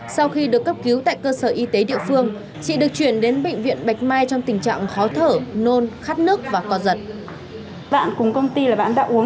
sau khi được cấp cứu tại cơ sở y tế địa phương chị được chuyển đến bệnh viện bạch mai trong tình trạng khó thở nôn khát nước và co giật